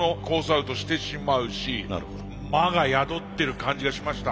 アウトしてしまうし魔が宿ってる感じがしました。